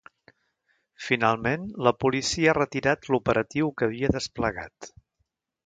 Finalment, la policia ha retirat l’operatiu que havia desplegat.